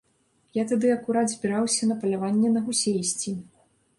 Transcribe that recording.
Я тады акурат збіраўся на паляванне на гусей ісці.